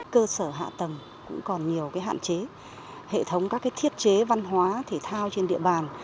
cơ sở hạ tầng cũng còn nhiều hạn chế hệ thống các thiết chế văn hóa thể thao trên địa bàn